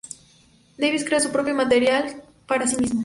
Davis crea su propio material para sí mismo.